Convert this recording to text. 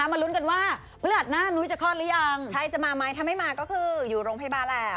ไม่ใช่